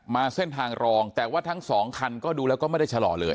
มาเส้นทางรองแต่ว่าทั้งสองคันก็ดูแล้วก็ไม่ได้ชะลอเลย